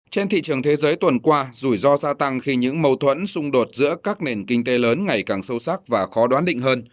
trên thị trường thế giới tuần qua rủi ro gia tăng khi những mâu thuẫn xung đột giữa các nền kinh tế lớn ngày càng sâu sắc và khó đoán định hơn